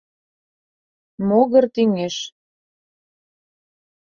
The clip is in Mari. Могыр тӱҥеш.